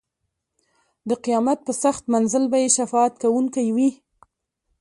د قیامت په سخت منزل به یې شفاعت کوونکی وي.